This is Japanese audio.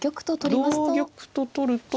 同玉と取ると。